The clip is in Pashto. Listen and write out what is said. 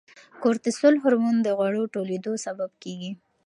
کورتیسول هورمون د غوړو ټولېدو سبب کیږي.